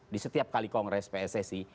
di setiap kali kongres pssi